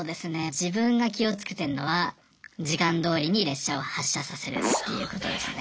自分が気をつけてるのは時間どおりに列車を発車させるっていうことですね。